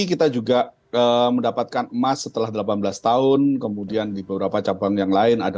kita juga mendapatkan emas setelah delapan belas tahun kemudian di beberapa cabang yang lain